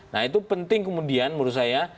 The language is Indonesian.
nah itu penting kemudian menurut saya